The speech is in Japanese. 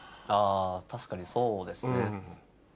確かにそうですね。